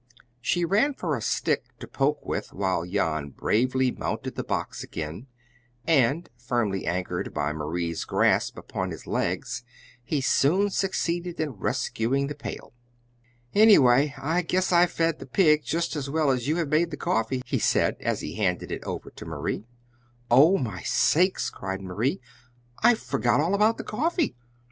She ran for a stick to poke with, while Jan bravely mounted the box again, and, firmly anchored by Marie's grasp upon his legs, he soon succeeded in rescuing the pail. "Anyway, I guess I've fed the pig just as well as you have made the coffee," he said, as he handed it over to Marie. "Oh, my sakes!" cried Marie; "I forgot all about the coffee!"